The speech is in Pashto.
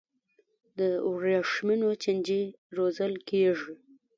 د ورېښمو چینجي روزل کیږي؟